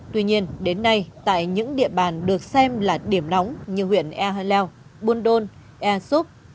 tuy nhiên đến nay tại những địa bàn được xem là điểm nóng như huyện e hai leo buôn đôn e sup